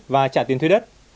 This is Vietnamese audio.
và trả tiền thuê đất